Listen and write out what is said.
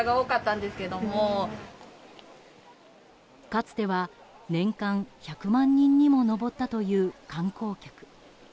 かつては年間１００万人にも上ったという観光客。